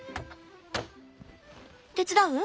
手伝う？